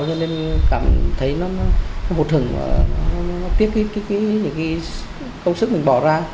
nên cảm thấy nó hụt hứng và tiếp những công sức mình bỏ ra